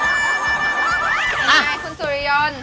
ทำยังไงสศุริยนตร์